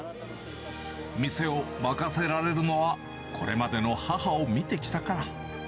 店を任せられるのは、これまでの母を見てきたから。